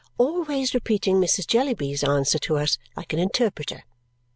always repeating Mrs. Jellyby's answer to us like an interpreter.